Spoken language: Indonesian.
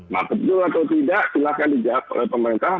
mampus juga atau tidak silahkan dijawab oleh pemerintah